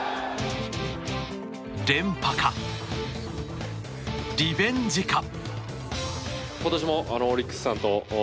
連覇か、リベンジか。